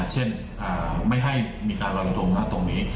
เช่นไม่ให้มีการลอยกระทงนะตรงนี้